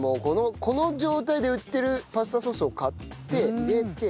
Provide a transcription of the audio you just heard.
この状態で売ってるパスタソースを買って入れて。